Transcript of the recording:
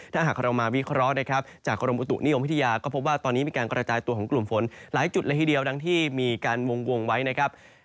ถ้าหากเรามาวิเคราะห์นะครับจากกรมอุตุนิยมวิทยาก็พบว่าตอนนี้มีการกระจายตัวของกลุ่มฝนหลายจุดเลยทีเดียวดังที่มีการวงไว้นะครับ